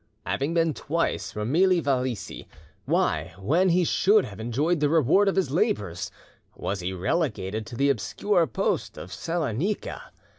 Having been twice Romili Valicy, why, when he should have enjoyed the reward of his labours, was he relegated to the obscure post of Salonica?